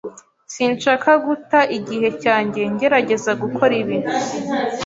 Sinshaka guta igihe cyanjye ngerageza gukora ibi.